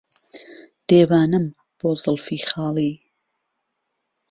دێوانهم بۆ زوڵفی خاڵی